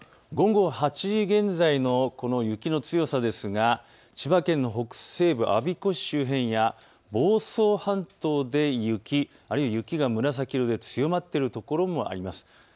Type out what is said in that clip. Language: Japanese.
午後８時現在のこの雪の強さですが千葉県の北西部、我孫子市周辺や房総半島で雪、あるいは雪が紫色で強まっている所もあります。